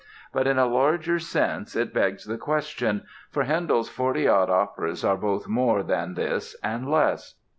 But in a larger sense it begs the question, for Handel's forty odd operas are both more than this and less.